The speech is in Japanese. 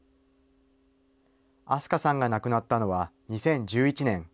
明日香さんが亡くなったのは、２０１１年。